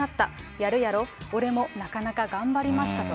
やるやろ、俺もなかなか頑張りま